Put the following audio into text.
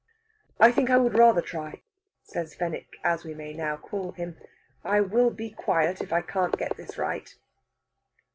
"I think I would rather try," says Fenwick, as we may now call him. "I will be quiet if I can get this right."